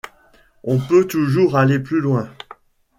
On peut toujours aller plus loin.